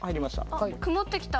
あっ曇ってきた。